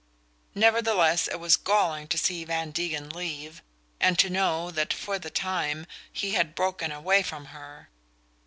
Nevertheless it was galling to see Van Degen leave, and to know that for the time he had broken away from her.